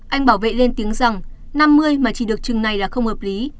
anh bảo vệ lên tiếng rằng năm mươi mà chỉ được chừng này là không hợp lý